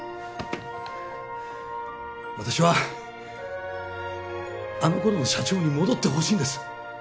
私はあの頃の社長に戻ってほしいんです